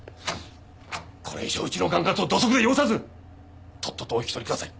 これ以上うちの管轄を土足で汚さずとっととお引き取りください。